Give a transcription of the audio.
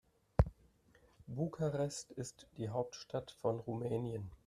Bukarest ist die Hauptstadt von Rumänien.